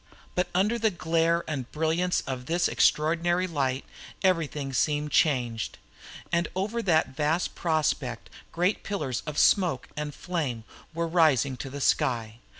But under the glare and brilliance of this extraordinary light everything seemed changed. All over that vast prospect great pillars of smoke and flame were rising to the sky.